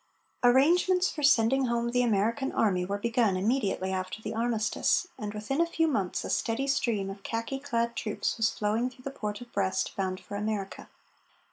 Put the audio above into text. Arrangements for sending home the American army were begun immediately after the armistice, and within a few months a steady stream of khaki clad troops was flowing through the port of Brest, bound for America.